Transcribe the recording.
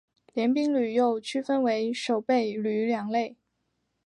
联兵旅又区分为守备旅两类。